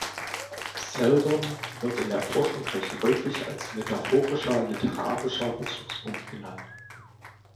Seldon wird in der Forschung recht häufig als metaphorischer literarischer Bezugspunkt genannt.